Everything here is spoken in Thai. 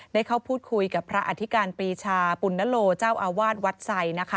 ได้เข้าพูดคุยกับพระอธิการปรีชาปุณนโลเจ้าอาวาสวัดไซนะคะ